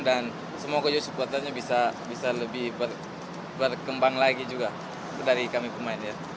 semoga juga supporternya bisa lebih berkembang lagi juga dari kami pemain ya